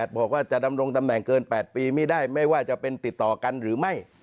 บอกว่าจะดำรงตำแหน่งเกิน๘ปีไม่ได้ไม่ว่าจะเป็นติดต่อกันหรือไม่